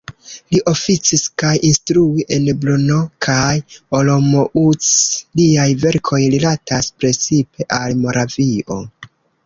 Li oficis kaj instruis en Brno kaj Olomouc, liaj verkoj rilatas precipe al Moravio.